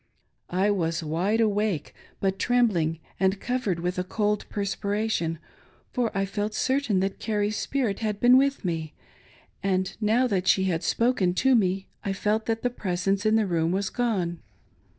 I was wide awake, but trembling, and cavered with a cold perspiration, for I felt certain that Carrie's spirit had been with me, and now that she had spoken to me I felt that the " Presence " in the room was gone.